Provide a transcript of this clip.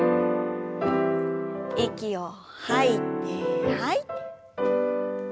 息を吐いて吐いて。